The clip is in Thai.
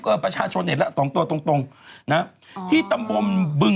แค่ให้มาสองงวดติดอะเธอ